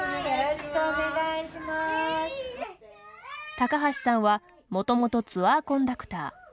高橋さんはもともとツアーコンダクター。